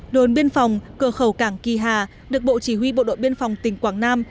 đồn biên phòng cửa khẩu cảng kỳ hà được bộ chỉ huy bộ đội biên phòng tỉnh quảng nam